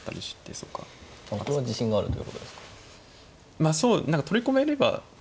まあそう何か取り込めれば一応。